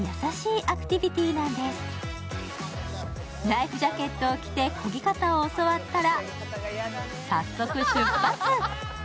ライフジャケットを着て、こぎ方を教わったら、早速出発。